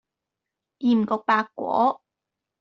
鹽焗白果